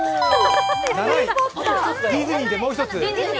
７位、ディズニーでもう１つ。